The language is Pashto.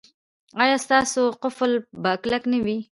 ایا ستاسو قفل به کلک نه وي؟